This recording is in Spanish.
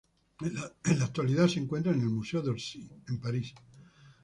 En la actualidad se encuentra en el Museo de Orsay, en París.